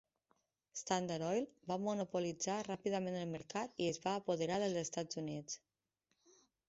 Standard Oil va monopolitzar ràpidament el mercat i es va apoderar dels Estats Units.